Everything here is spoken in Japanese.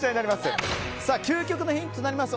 究極のヒントとなります